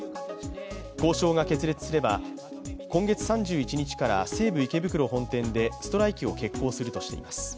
交渉が決裂すれば、今月３１日から西武池袋本店でストライキを決行するとしています。